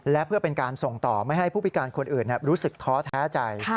และเพื่อเป็นการส่งต่อไม่ให้ผู้พิการคนอื่นรู้สึกท้อแท้ใจ